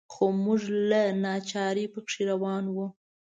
خو موږ له ناچارۍ په کې روان وو.